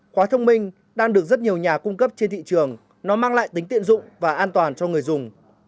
khóa thông minh đang được rất nhiều nhà cung cấp trên thị trường nó mang lại tính tiện dụng và an toàn cho người dùng